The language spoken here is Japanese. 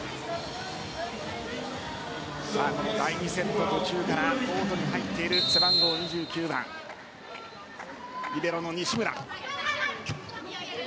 この第２セット途中からコートに入っている背番号２９番、リベロの西村。